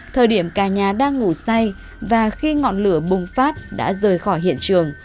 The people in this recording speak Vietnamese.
thời điểm cả nhà đang ngủ say và khi ngọn lửa bùng phát đã rời khỏi hiện trường